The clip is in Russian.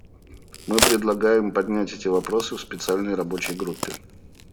Мы предлагаем поднять эти вопросы в Специальной рабочей группе.